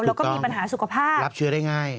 แล้วก็มีปัญหาสุขภาพรับเชื้อได้ง่าย